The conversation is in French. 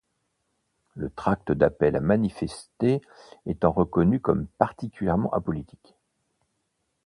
Le tract d'appel à manifester étant reconnu comme particulièrement apolitique.